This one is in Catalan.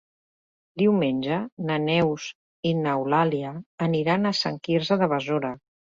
Diumenge na Neus i n'Eulàlia aniran a Sant Quirze de Besora.